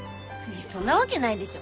そんなわけないでしょ。